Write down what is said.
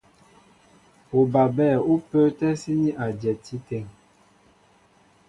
Ubabɛ̂ ú pə́ə́tɛ́ síní a dyɛti áteŋ.